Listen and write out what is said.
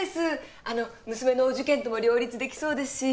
あのう娘のお受験とも両立できそうですし。